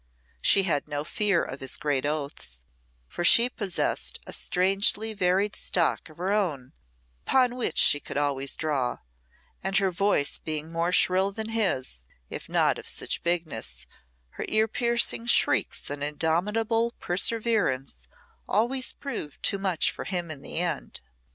She had no fear of his great oaths, for she possessed a strangely varied stock of her own upon which she could always draw, and her voice being more shrill than his, if not of such bigness, her ear piercing shrieks and indomitable perseverance always proved too much for him in the end.